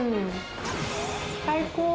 最高！